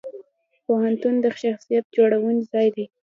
پوهنتون د شخصیت جوړونې ځای دی.